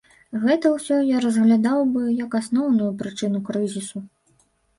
Гэта ўсё я разглядаў бы, як асноўную прычыну крызісу.